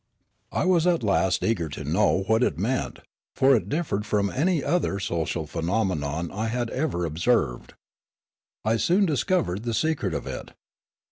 I was at last eager to know what it meant, for it differed from anj' other social phenomenon I had ever observed. I soon discovered the secret of it.